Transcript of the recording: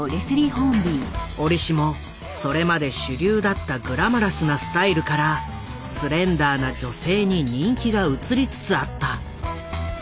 折しもそれまで主流だったグラマラスなスタイルからスレンダーな女性に人気が移りつつあった。